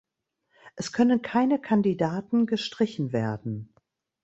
Es können keine Kandidaten gestrichen werden.